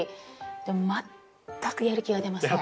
でも全くやる気が出ません！